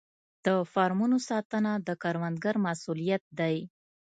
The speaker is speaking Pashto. د فارمونو ساتنه د کروندګر مسوولیت دی.